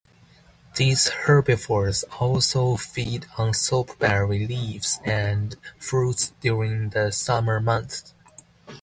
These herbivores also feed on soapberry leaves and fruits during the summer months.